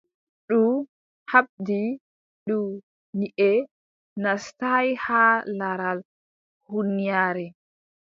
Ndu haɓdi, ndu, nyiʼe naastaay har laral huunyaare.